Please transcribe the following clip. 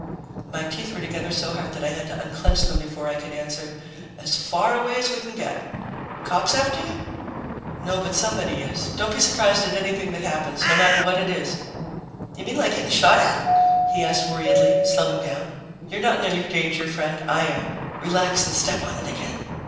My teeth were together so hard that I had to unclench them before I could answer, "As far away as we can get." "Cops after you?" "No, but somebody is. Don't be surprised at anything that happens, no matter what it is." "You mean like getting shot at?" he asked worriedly, slowing down. "You're not in any danger, friend. I am. Relax and step on it again."